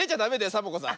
サボ子さん。